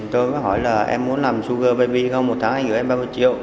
tôi có hỏi là em muốn làm sugar baby không một tháng anh gửi em ba mươi triệu